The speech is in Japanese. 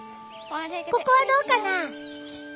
ここはどうかな？